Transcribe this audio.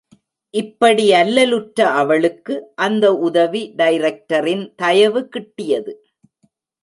இப்படி அல்லலுற்ற அவளுக்கு அந்த உதவி டைரக்டரின் தயவு கிட்டியது.